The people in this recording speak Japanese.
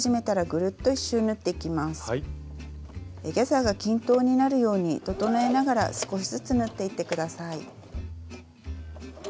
ギャザーが均等になるように整えながら少しずつ縫っていって下さい。